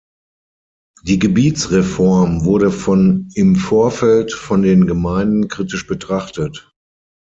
Die Gebietsreform wurde von im Vorfeld von den Gemeinden kritisch betrachtet.